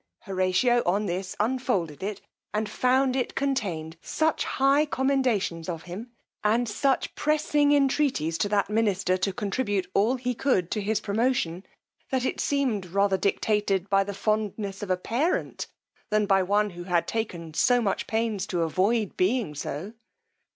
Horatio on this unfolded it, and found it contained such high commendations of him, and such pressing entreaties to that minister to contribute all he could to his promotion, that it seemed rather dictated by the fondness of a parent, than by one who had taken so much pains to avoid being so.